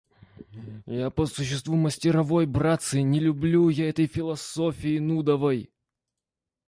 Я по существу мастеровой, братцы, не люблю я этой философии нудовой.